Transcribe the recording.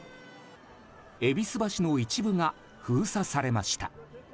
戎橋の一部が封鎖されました。